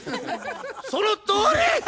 そのとおり！